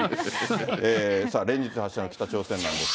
さあ、連日発射の北朝鮮なんです